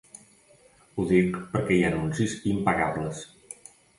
Ho dic perquè hi ha anuncis impagables.